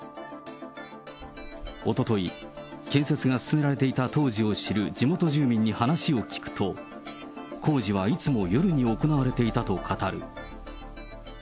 おととい、建設が進められていた当時を知る地元住民に話を聞くと、工事はいつも夜に行われていたと語る。